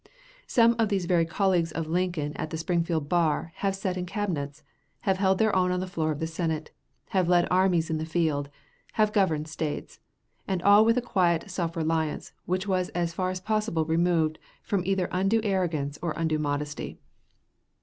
Some of these very colleagues of Lincoln at the Springfield bar have sat in Cabinets, have held their own on the floor of the Senate, have led armies in the field, have governed States, and all with a quiet self reliance which was as far as possible removed from either undue arrogance or undue modesty.